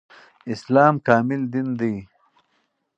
اسلام کامل دين ده